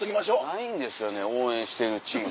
ないんですよね応援してるチーム。